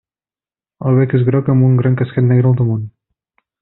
El bec és groc, amb un gran casquet negre al damunt.